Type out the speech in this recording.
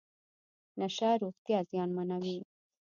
نشه روغتیا زیانمنوي .